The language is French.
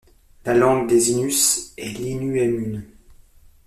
La langue des Innus est l'innu-aimun.